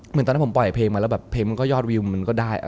เหมือนตอนนั้นผมปล่อยเพลงมาแล้วแบบเพลงมันก็ยอดวิวมันก็ได้